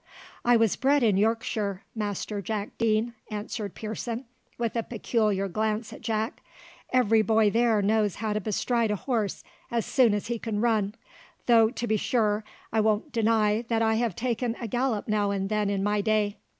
"I was bred in Yorkshire, Master Jack Deane," answered Pearson with a peculiar glance at Jack. "Every boy there knows how to bestride a horse as soon as he can run; though, to be sure, I won't deny that I have taken a gallop now and then in my day.